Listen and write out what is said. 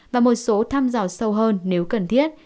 và một số thăm dò sâu hơn nếu cần thiết